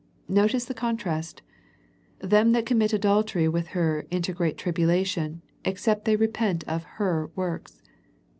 Notice the contrast. " Them that commit adultery with her into great tribulation, except they repent of her works."